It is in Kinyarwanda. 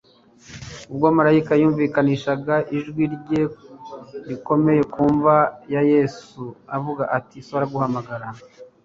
Ubwo maraika ytunvikanishaga ijwi rye rikomeye ku mva ya Yesu avuga ati : So araguhamagara!